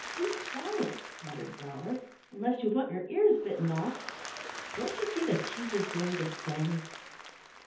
"Be quiet," muttered Growler, "unless you want your ears bitten off? Don't you see the Chief is going to sing?"